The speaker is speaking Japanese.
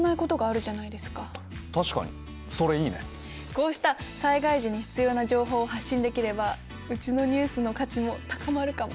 こうした災害時に必要な情報を発信できればうちのニュースの価値も高まるかも。